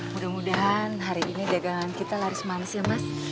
mudah mudahan hari ini dagangan kita laris mansil mas